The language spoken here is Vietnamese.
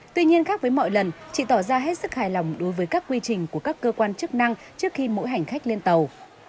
tuy nhiên khác với mọi lần chị tỏ ra hết sức hài lòng đối với các quy trình của các cơ quan chức năng trước khi mỗi hành khách lên tàu